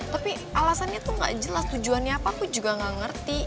tapi alasannya tuh gak jelas tujuannya apa aku juga gak ngerti